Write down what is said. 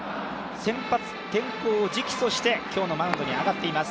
先発転向を直訴して、今日のマウンドに上がっています。